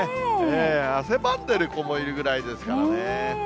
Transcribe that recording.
汗ばんでる子もいるぐらいですからね。